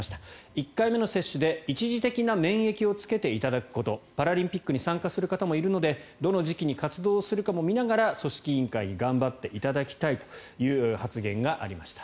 １回目の接種で一次的な免疫をつけていただくことパラリンピックに参加する方もいるのでどの時期に活動するかも見ながら組織委に頑張っていただきたいという発言がありました。